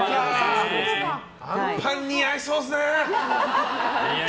あんパン似合いそうですね。